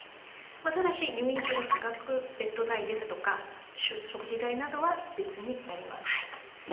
ただし、入院中の差額ベッド代ですとか食事代などは別になります。